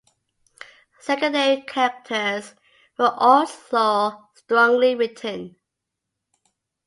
Secondary characters were also strongly written.